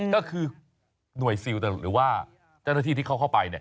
ก็คือหน่วยซิลหรือว่าเจ้าหน้าที่ที่เขาเข้าไป